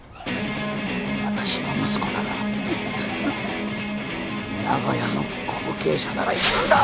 私の息子なら長屋の後継者ならやるんだ！